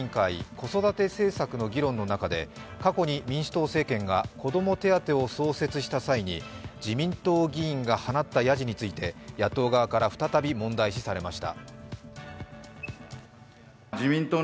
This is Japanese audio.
子育て政策の議論の中で、過去に民主党政権が子ども手当を創設した際に自民党議員が放ったやじについて、野党側から再び問題視されました。